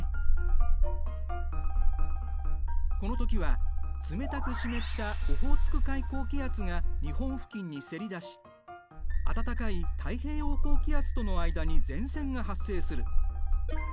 この時は冷たく湿ったオホーツク海高気圧が日本付近にせり出し暖かい太平洋高気圧との間に前線が発生する。